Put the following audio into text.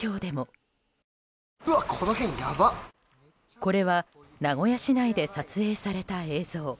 これは名古屋市内で撮影された映像。